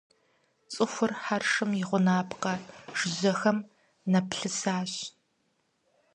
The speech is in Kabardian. ЦӀыхур хьэршым и гъунапкъэ жыжьэхэм нэплъысащ.